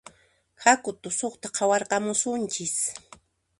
Haku tusuqta qhawarakamusunchis